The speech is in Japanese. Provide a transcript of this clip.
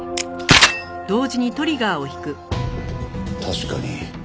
確かに。